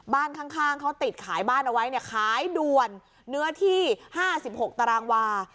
บ้านข้างเขาติดขายบ้านเอาไว้เนี่ยขายด่วนเนื้อที่๕๖ตารางวา